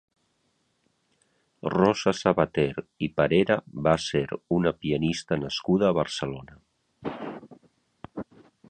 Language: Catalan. Rosa Sabater i Parera va ser una pianista nascuda a Barcelona.